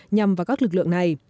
nhằm vào các lực lượng này